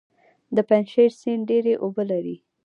د پنجشیر سیند ډیرې اوبه لري